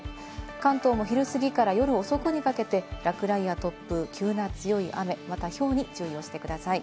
関東も昼過ぎから夜遅くにかけて落雷や突風、急な強い雨、ひょうに注意してください。